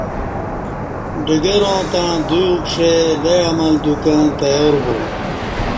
ڈگراں تݩع دوی اکݜا لے عمل دیوکں تیار بو